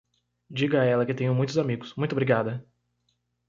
Diga a ela que tenho muitos amigos, muito obrigada.